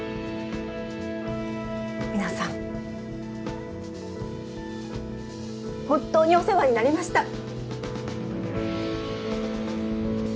皆さん本当にお世話になりました。